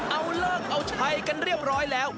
เอาเลิกเอาชัยกันเรียบร้อยแล้ว